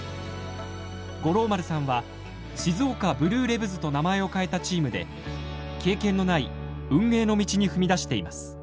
五郎丸さんは静岡ブルーレヴズと名前を変えたチームで経験のない運営の道に踏み出しています。